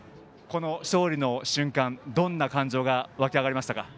この勝利の瞬間、どんな感情が湧き上がるりましたか。